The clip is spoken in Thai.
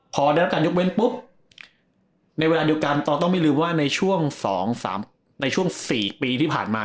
พอได้รับการยกเว้นปุ๊บในเวลาเดียวกันเราต้องไม่ลืมว่าในช่วง๒๓ในช่วง๔ปีที่ผ่านมา